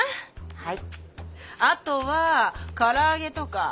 はい。